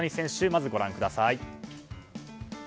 まずご覧ください。